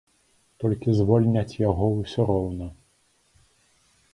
Толькі звольняць яго ўсё роўна.